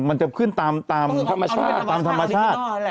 มันจะขึ้นตามธรรมชาติ